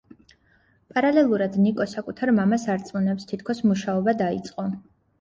პარალელურად ნიკო საკუთარ მამას არწმუნებს, თითქოს მუშაობა დაიწყო.